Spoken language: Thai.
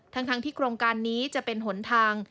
ทั้งที่โครงการนี้จะเป็นหนทาง